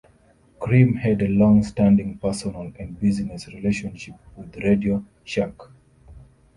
Krim had a long-standing personal and business relationship with Radio Shack.